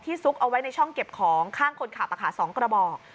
ซุกเอาไว้ในช่องเก็บของข้างคนขับ๒กระบอก